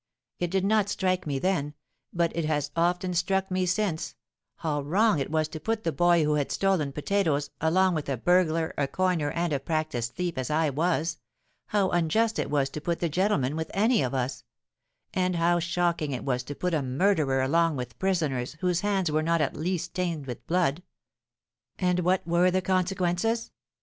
It did not strike me then—but it has often struck me since—how wrong it was to put that boy who had stolen potatoes, along with a burglar, a coiner, and a practised thief as I was,—how unjust it was to put the gentleman with any of us,—and how shocking it was to put a murderer along with prisoners whose hands were not at least stained with blood. And what were the consequences?